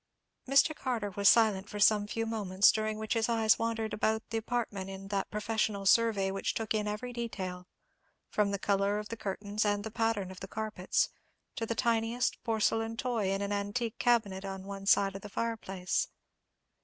Mr. Carter was silent for some few moments, during which his eyes wandered about the apartment in that professional survey which took in every detail, from the colour of the curtains and the pattern of the carpets, to the tiniest porcelain toy in an antique cabinet on one side of the fireplace.